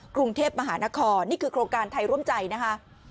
กรุงเทพมหานครนี่คือโครงการไทยร่วมใจนะคะ